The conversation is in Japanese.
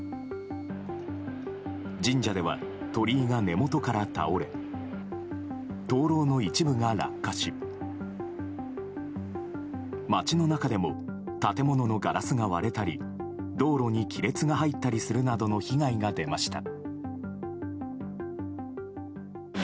神社では鳥居が根元から倒れ灯籠の一部が落下し街の中でも建物のガラスが割れたり道路に亀裂が入ったりするなどの被害が出ました。